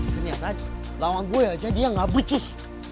ternyata lawan gue aja dia gak becus